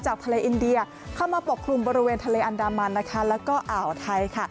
ทะเลอินเดียเข้ามาปกคลุมบริเวณทะเลอันดามันนะคะแล้วก็อ่าวไทยค่ะ